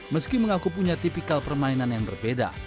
meski mengaku punya tipikal permainan yang berbeda